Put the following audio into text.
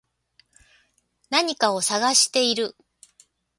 何かを探している